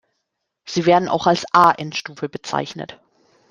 Sie werden auch als A-Endstufe bezeichnet.